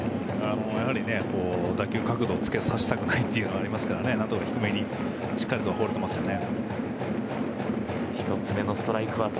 やはり打球角度をつけさせたくないというのがありますから何とか低めにしっかり放れていますよね。